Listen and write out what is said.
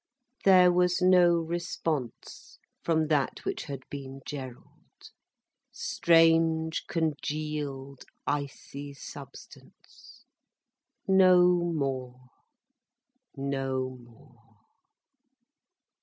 There was no response from that which had been Gerald. Strange, congealed, icy substance—no more. No more!